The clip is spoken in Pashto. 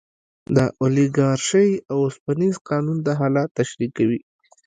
د اولیګارشۍ اوسپنیز قانون دا حالت تشریح کوي.